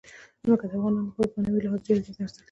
ځمکه د افغانانو لپاره په معنوي لحاظ ډېر زیات ارزښت لري.